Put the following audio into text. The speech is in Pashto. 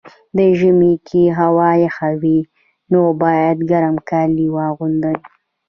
په ژمي کي هوا یخه وي، نو باید ګرم کالي واغوندو.